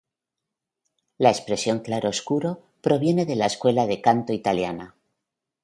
La expresión "claroscuro" proviene de la escuela de canto italiana.